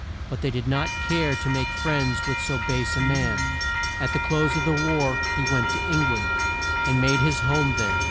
But they did not care to make friends with so base a man. At the close of the war, he went to Eng land, and made his home there.